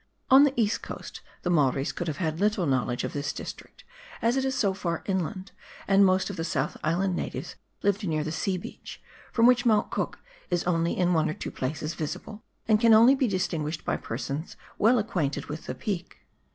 On the East Coast the Maoris could have had little knowledge of this district, as it is so far inland, and most of the South Island natives lived near the sea beach, from which Mount Cook is only in one or two places visible, and can only be distinguished by persons well acquainted with the peak.